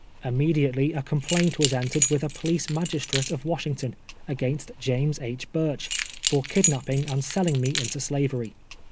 lunuediately a complaint was entered with a police magistrate of Washington, against James II. Ihircli, for kidnapping and selling me into slavery.